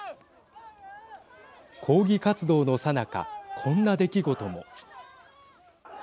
抗議活動のさなかこんな出来事も。